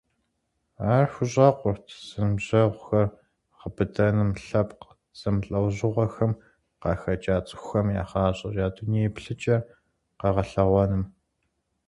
Ар хущӏэкъурт зэныбжьэгъугъэр гъэбыдэным, лъэпкъ зэмылӀэужьыгъуэхэм къахэкӀа цӀыхухэм я гъащӀэр, я дуней еплъыкӀэр къэгъэлъэгъуэным.